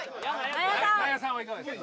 納谷さんはいかがですか？